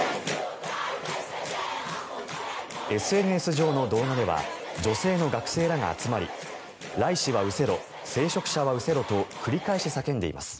ＳＮＳ上の動画では女性の学生らが集まりライシは失せろ聖職者は失せろと繰り返し叫んでいます。